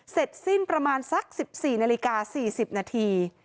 เสร็จสิ้นประมาณสัก๑๔นาฬิกา๔๐นาที